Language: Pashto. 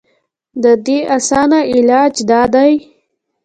د دې اسان علاج دا دے